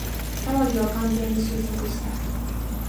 騒ぎは完全に収束した